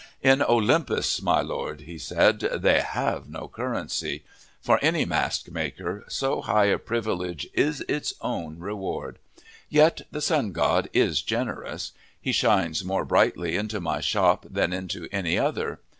"In Olympus, my Lord," he said, "they have no currency. For any mask maker, so high a privilege is its own reward. Yet the sun god is generous. He shines more brightly into my shop than into any other.